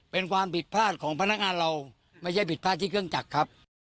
เป็นความผิดพลาดของพนักงานเราไม่ใช่ผิดพลาดที่เครื่องจักรครับ